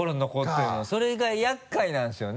それがやっかいなんですよね？